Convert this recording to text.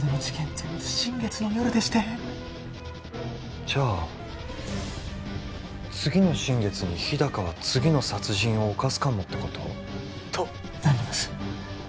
全部新月の夜でしてじゃあ次の新月に日高は次の殺人を犯すかもってこと？となります